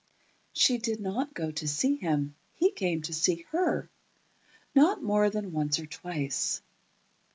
She did not go to see him; he came to see her—not more than once or twice.